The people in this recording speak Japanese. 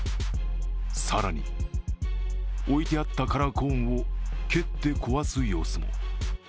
更に、置いてあったカラーコーンを蹴って壊す様子も。